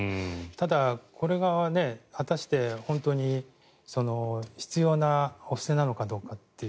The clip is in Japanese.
ただ、これが果たして本当に必要なお布施なのかどうかという。